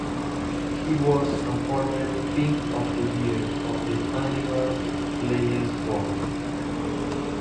He was a former "Pimp of the Year" of the annual Players Ball.